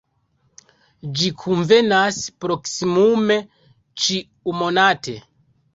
Ĝi kunvenas proksimume ĉiumonate.